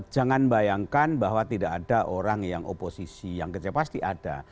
jangan bayangkan bahwa tidak ada orang yang oposisi yang kecil pasti ada